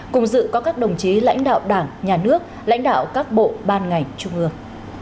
cùng dự có các đồng chí lãnh đạo đảng nhà nước lãnh đạo các bộ ban ngành trung ương